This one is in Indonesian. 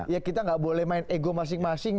ya kita nggak boleh main ego masing masing